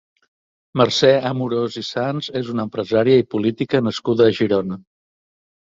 Mercè Amorós i Sans és una empresària i política nascuda a Girona.